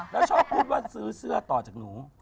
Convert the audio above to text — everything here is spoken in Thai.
แล้วชอบพูดว่าซื้อเสื้อต่อจากหนู